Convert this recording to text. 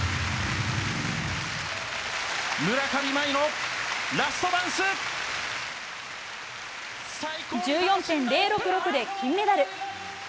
村上茉愛のラストダンス！１４．０６６で金メダル。